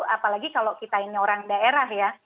apalagi kalau kita ini orang daerah ya